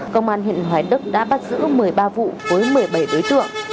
công an huyện hoài đức đã bắt giữ một mươi ba vụ với một mươi bảy đối tượng